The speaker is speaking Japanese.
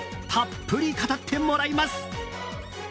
たっぷり語ってもらいます！